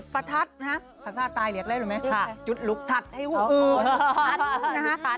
ประทัศน์นะฮะภาษาใต้เรียกได้รู้ไหมค่ะจุดลุกทัศน์ให้หูอืมนะฮะ